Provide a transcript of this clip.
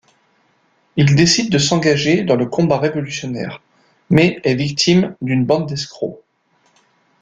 Il décide de s'engager dans le combat révolutionnaire, mais est victime d'une bande d'escrocs.